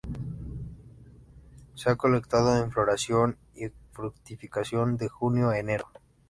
Se ha colectado en floración y fructificación de junio a enero.